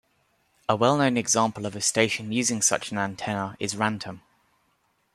A well known-example of a station using such an antenna is Rantum.